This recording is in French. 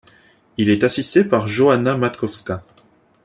Il est assisté par Johanna Matkowska.